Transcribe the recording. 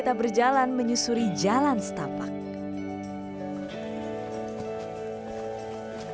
lelahnya berjalan kaki terbayarkan dengan pemandangan pantai yang luar biasa